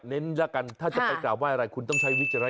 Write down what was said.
เขาน่าจะรำคาญค่ะแต่ไม่มีที่ไป